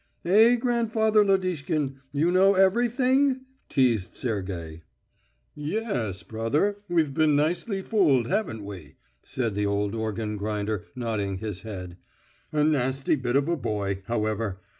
"Eh, grandfather Lodishkin, you know everything?" teased Sergey. "Ye s brother, we've been nicely fooled, haven't we," said the old organ grinder, nodding his head. "A nasty bit of a boy, however....